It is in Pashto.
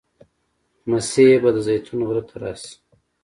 مسیح به د زیتون غره ته راشي.